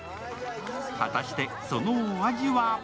果たして、そのお味は？